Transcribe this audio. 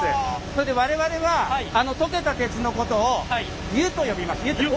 それで我々は溶けた鉄のことを「湯」と呼びます。